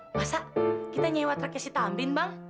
masa kita nyewat rakyat si tambin bang